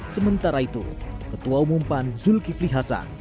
sementara itu ketua umum pan sulki fliasan